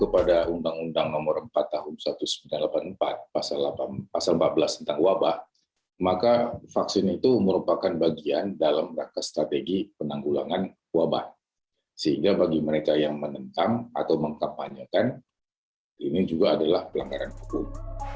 pemerintah yang menentang atau mengekampanyakan ini juga adalah pelanggaran hukum